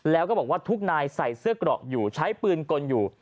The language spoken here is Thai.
แล้วก็บอกว่าทุกนายใส่เสื้อเกราะอยู่ใช้ปืนกลอยู่